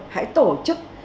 hãy tổ chức